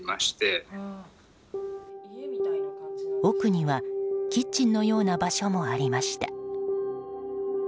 奥にはキッチンのような場所もありました。